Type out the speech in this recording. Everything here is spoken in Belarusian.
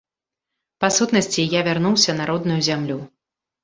Па сутнасці, я вярнуўся на родную зямлю.